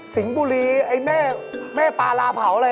สิงบูรีไอ้แม่แม่ปลาร่าเผาอะไร